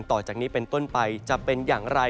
ต่อจากนี้เป็นต้นไปจะเป็นอย่างไร